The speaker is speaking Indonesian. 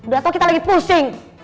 udah tau kita lagi pusing